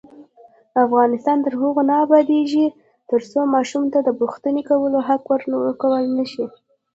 افغانستان تر هغو نه ابادیږي، ترڅو ماشوم ته د پوښتنې کولو حق ورکړل نشي.